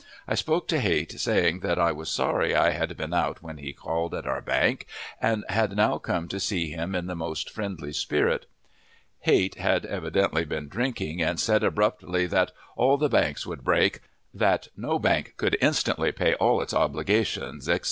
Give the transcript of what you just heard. I spoke to Height, saying that I was sorry I had been out when he called at our bank, and had now come to see him in the most friendly spirit. Height had evidently been drinking, and said abruptly that "all the banks would break," that "no bank could instantly pay all its obligations," etc.